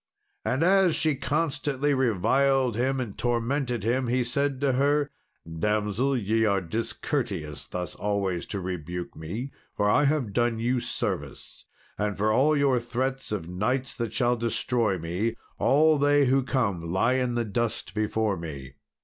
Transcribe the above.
And as she constantly reviled him and tormented him, he said to her, "Damsel, ye are discourteous thus always to rebuke me, for I have done you service; and for all your threats of knights that shall destroy me, all they who come lie in the dust before me.